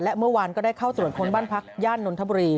และเมื่อวานก็ได้เข้าตรวจค้นบ้านพักย่านนทบุรี